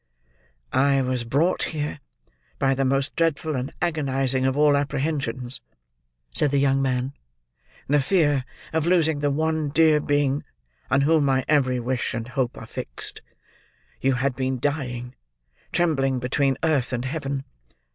"I was brought here, by the most dreadful and agonising of all apprehensions," said the young man; "the fear of losing the one dear being on whom my every wish and hope are fixed. You had been dying; trembling between earth and heaven.